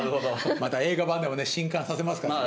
また映画版でもね震撼させますからね。